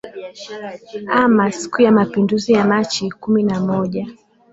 ama siku ya mapinduzi ya machi kumi na moja